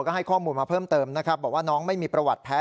ก็ให้ข้อมูลมาเพิ่มเติมนะครับบอกว่าน้องไม่มีประวัติแพ้